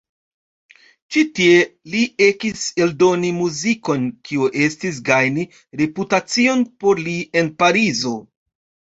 Ĉi tie li ekis eldoni muzikon, kio ekis gajni reputacion por li en Parizo.